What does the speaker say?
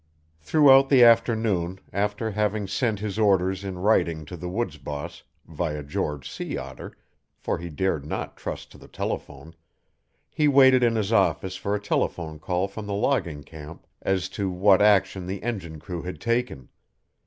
Throughout the afternoon, after having sent his orders in writing to the woods boss, via George Sea Otter (for he dared not trust to the telephone), be waited in his office for a telephone call from the logging camp as to what action the engine crew had taken.